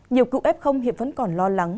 nhiều cựu f hiện vẫn còn lo lắng